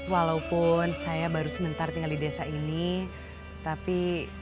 walaupun saya baru sebentar tinggal di desa ini tapi